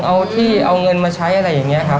เอาที่เอาเงินมาใช้อะไรอย่างนี้ครับ